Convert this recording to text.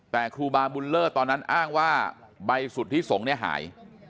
แต่ครูบาบุญเลิศตอนนั้นอ้างว่าใบสุทธิสงฆ์เนี่ยหาย